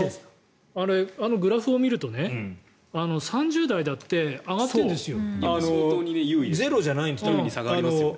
あのグラフを見ると３０代だって上がってるんですよ。